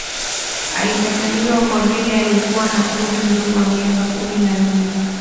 Alikataliwa kwa vile alikuwa na umri mdogo wa miaka kumi na nne